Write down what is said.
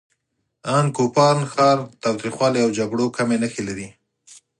ان کوپان ښار تاوتریخوالي او جګړو کمې نښې لري.